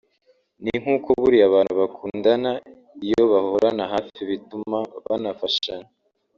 ni nkuko buriya abantu bakundana iyo bahorana hafi bituma banafashanya